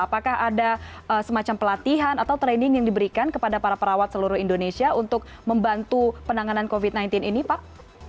apakah ada semacam pelatihan atau training yang diberikan kepada para perawat seluruh indonesia untuk membantu penanganan covid sembilan belas ini pak